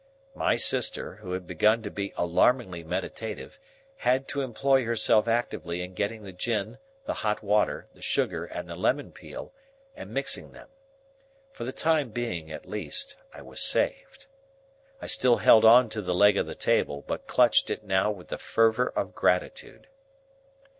My sister, who had begun to be alarmingly meditative, had to employ herself actively in getting the gin, the hot water, the sugar, and the lemon peel, and mixing them. For the time being at least, I was saved. I still held on to the leg of the table, but clutched it now with the fervor of gratitude.